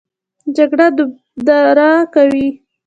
جګړه دربدره کوي